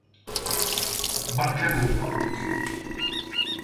Beṛka lehḍuṛ.